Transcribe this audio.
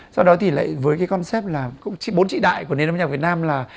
sau đó thì lại với cái concept là bốn trị đại của nền âm nhạc việt nam là